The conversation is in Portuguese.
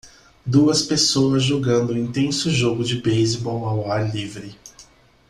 Duas pessoas jogando um intenso jogo de beisebol ao ar livre.